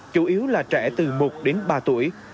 chủ yếu là trẻ từ một đến ba tuổi